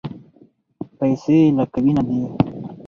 پیسې لکه وینه دي.